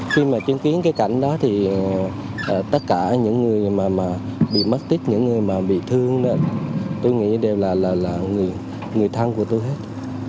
khi mà chứng kiến cái cảnh đó thì tất cả những người mà bị mất tích những người mà bị thương tôi nghĩ đều là người thân của tôi hết